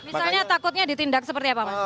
misalnya takutnya ditindak seperti apa mas